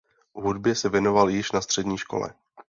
Hudbě se věnoval již na střední škole.